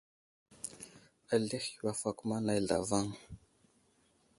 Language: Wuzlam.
Azlehi yo afakoma nay zlavaŋ.